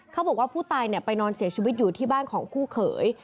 เขาบอกว่าผู้ตายไปนอนเสียชีวิตอยู่ที่บ้านของคู่เขย